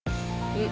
うん。